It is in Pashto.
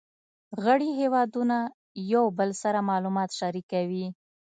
غړي هیوادونه یو بل سره معلومات شریکوي